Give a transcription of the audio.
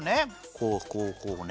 こうこうこうね。